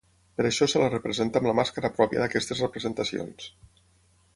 Per això se la representa amb la màscara pròpia d'aquestes representacions.